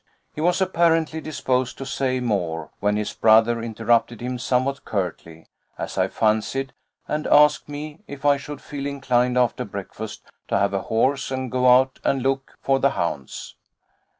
He was apparently disposed to say more, when his brother interrupted him somewhat curtly, as I fancied, and asked me if I should feel inclined after breakfast to have a horse and go out and look for the hounds.